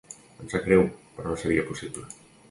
Em sap greu, però no seria possible.